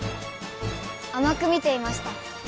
あまく見ていました。